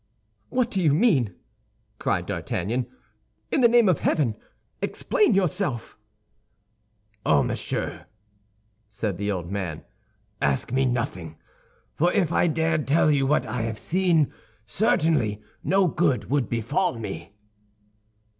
"What do you mean?" cried D'Artagnan. "In the name of heaven, explain yourself!" "Oh! Monsieur," said the old man, "ask me nothing; for if I dared tell you what I have seen, certainly no good would befall me."